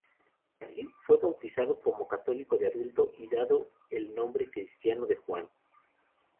Allí, fue bautizado como católico de adulto y dado el nombre cristiano de Juan.